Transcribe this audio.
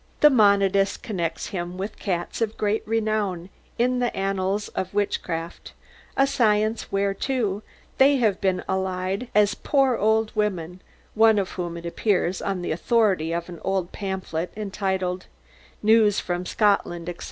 The monodis connects him with cats of great renown in the annals of witchcraft, a science whereto they have been allied as poor old women, one of whom, it appears, on the authority of an old pamphlet entitled 'Newes from Scotland,' etc.